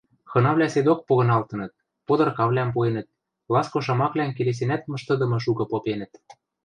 Хынавлӓ седок погыналтыныт, подаркавлӓм пуэнӹт, ласко шамаквлӓм келесенӓт мыштыдымы шукы попенӹт.